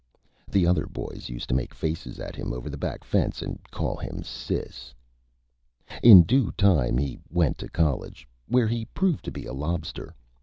The other Boys used to make Faces at him over the Back Fence and call him "Sis." In Due Time he went to College, where he proved to be a Lobster.